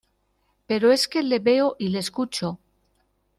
pero es que le veo y le escucho